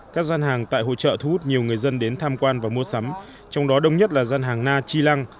các gian hàng tại hội trợ thu hút nhiều người dân đến tham quan và mua sắm trong đó đông nhất là gian hàng na chi lăng